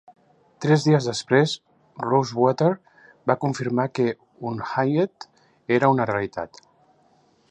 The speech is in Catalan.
Tres dies després, Rosewater va confirmar que "Unhinged" era una realitat.